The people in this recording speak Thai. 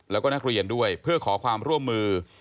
แล้วก็นักเรียนด้วยเพื่อขอความร่วมมือ